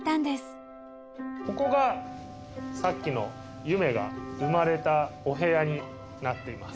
ここがさっきのゆめが産まれたお部屋になっています。